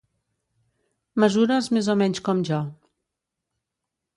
Mesures més o menys com jo.